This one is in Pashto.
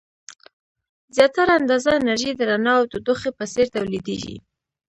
زیاتره اندازه انرژي د رڼا او تودوخې په څیر تولیدیږي.